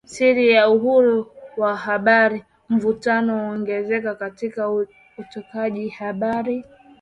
Siku ya Uhuru wa Habari Mvutano waongezeka katika utoaji habari